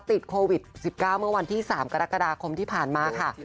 ติดโควิด๑๙เมื่อวันที่๓กรกฎาคมที่ผ่านมาค่ะ